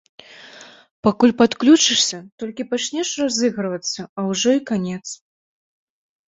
Пакуль падключышся, толькі пачнеш разыгрывацца, а ўжо і канец.